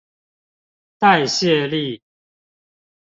代謝力